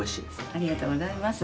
ありがとうございます。